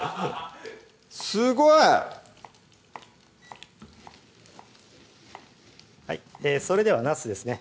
すごい！それではなすですね